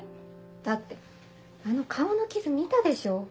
だってあの顔の傷見たでしょ？